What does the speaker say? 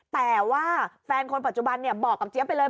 แต่ว่าแฟนคนปัจจุบันบอกกับเจี๊ยไปเลย